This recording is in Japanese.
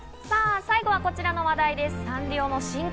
さぁ、最後はこちらの話題です。